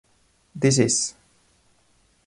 This Is!